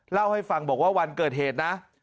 เล่าให้ฟังบอกว่าวันเกิดเหตุนะ